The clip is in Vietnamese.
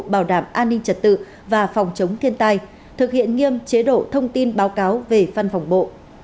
bảo đảm an ninh trật tự và phòng chống thiên tai thực hiện nghiêm chế độ thông tin báo cáo về văn phòng bộ